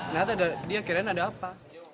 nggak tahu dia keren ada apa